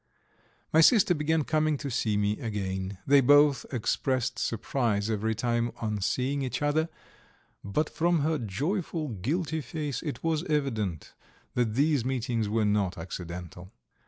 My sister began coming to see me again; they both expressed surprise every time on seeing each other, but from her joyful, guilty face it was evident that these meetings were not accidental.